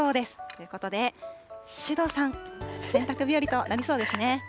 ということで、首藤さん、洗濯日和となりそうですね。